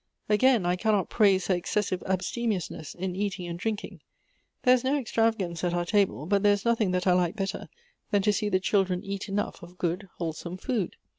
Again, I cannot praise her ex cessive abstemiousness in eating and drinking. There is no extravagance at our table, but there is nothing that I like better than to see the children eat enough of good, wholesome food.